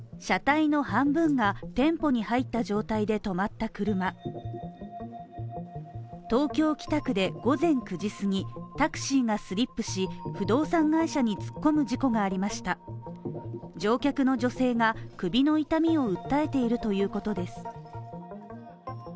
車体の半分が店舗に入った状態で止まった車東京・北区で午前９時すぎ、タクシーがスリップし、不動産会社に突っ込む事故がありました乗客の女性が首の痛みを訴えているということです。